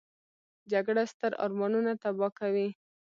جګړه ستر ارمانونه تباه کوي